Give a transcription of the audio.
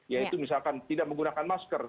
yaitu misalkan tidak menggunakan masker